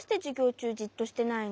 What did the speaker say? ちゅうじっとしてないの？